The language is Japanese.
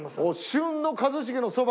「旬の一茂」。